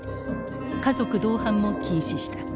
家族同伴も禁止した。